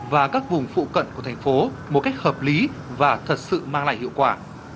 và các vùng phụ cận của thành phố một cách hợp lý và thật sự mang lại hiệu quả